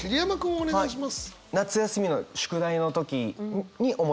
お願いします。